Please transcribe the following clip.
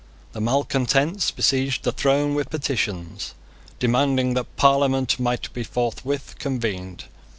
The malecontents besieged the throne with petitions, demanding that Parliament might be forthwith convened.